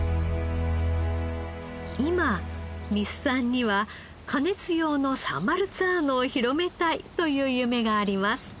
今三須さんには加熱用のサンマルツァーノを広めたいという夢があります。